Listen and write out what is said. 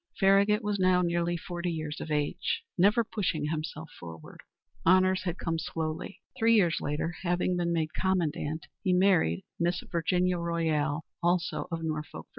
Farragut was now nearly forty years of age; never pushing himself forward, honors had come slowly. Three years later, having been made commandant, he married Miss Virginia Royall, also of Norfolk, Va.